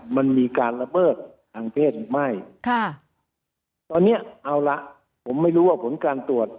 มันมีการละเมิดทางเพศหรือไม่ค่ะตอนเนี้ยเอาละผมไม่รู้ว่าผลการตรวจ